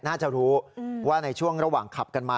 น่าจะรู้ว่าในช่วงระหว่างขับกันมา